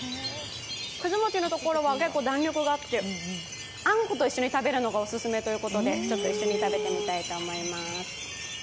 くず餅のところは、結構弾力があって、あんこと一緒に食べるのがお薦めということで、一緒に食べてみたいと思います。